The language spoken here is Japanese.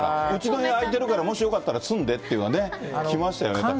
うちの部屋、空いてるから、もしよかったら住んでっていうね、来ましたよね。